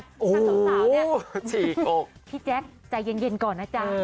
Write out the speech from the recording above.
สาวเนี่ยพี่แจ๊กใจเย็นก่อนนะจ๊ะ